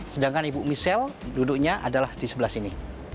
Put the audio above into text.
sedangkan ibu michelle duduknya adalah di sebelah sini